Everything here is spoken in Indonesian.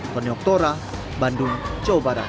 tony oktora bandung jawa barat